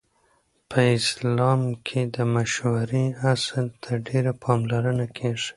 په اسلام کې د مشورې اصل ته ډېره پاملرنه کیږي.